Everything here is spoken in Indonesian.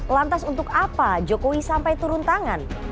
lantas untuk apa jokowi sampai turun tangan